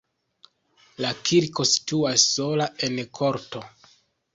La kirko situas sola en korto.